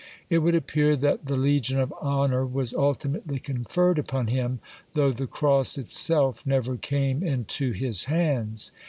It would appear that the Legion of Honour was ultimately conferred upon him,^ though the cross itself never came into his hands.